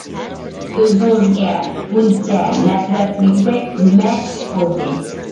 ئۆزىڭىزگە بۇنچە نەپرەتلەنگۈدەك نېمە ئىش بولدى؟